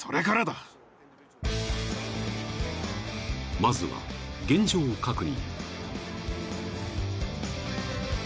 ［まずは現状確認］